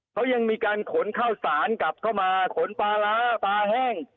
เขายังมีการขนข้าวสารกลับเข้ามาขนปลาร้าปลาแห้ง